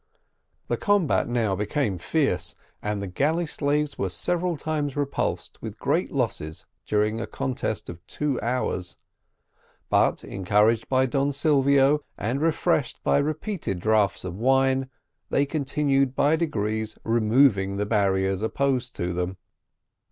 The combat now became fierce, and the galley slaves were several times repulsed with great loss during a contest of two hours; but, encouraged by Don Silvio, and refreshed by repeated draughts of wine, they continued by degrees removing the barriers opposed to them.